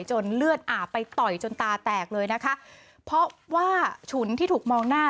เลือดอาบไปต่อยจนตาแตกเลยนะคะเพราะว่าฉุนที่ถูกมองหน้า